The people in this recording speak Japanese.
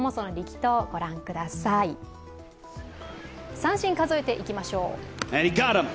三振数えていきましょう。